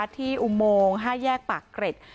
อุโมง๕แยกปากเกร็ด